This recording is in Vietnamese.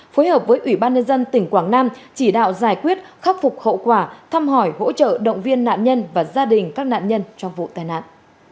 phối hợp với ủy ban nhân dân tỉnh quảng nam chỉ đạo giải quyết khắc phục hậu quả thăm hỏi hỗ trợ động viên nạn nhân và gia đình các nạn nhân trong vụ tai nạn